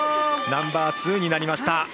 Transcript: ナンバーツーになりました。